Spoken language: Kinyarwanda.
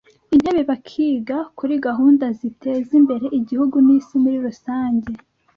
intebe bakiga kuri gahunda ziteza imbere Igihugu n’isi muri rusange